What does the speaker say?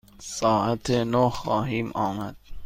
ساعت نه خواهیم آمد.